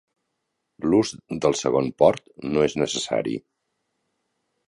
L'ús del segon port no és necessari.